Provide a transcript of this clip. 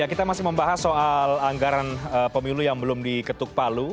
kita masih membahas soal anggaran pemilu yang belum diketuk palu